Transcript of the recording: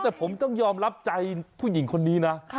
แต่ผมต้องยอมรับใจผู้หญิงคนนี้นะ